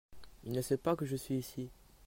Il ne sait pas que je suis ici.